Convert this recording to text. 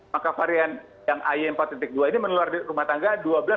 maka varian yang ie empat dua ini menular di rumah tangga dua belas empat